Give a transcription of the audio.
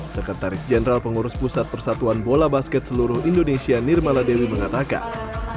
sekretaris jenderal pengurus pusat persatuan bola basket seluruh indonesia nirmala dewi mengatakan